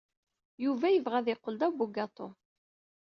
Yuba yebɣa ad yeqqel d abugaṭu.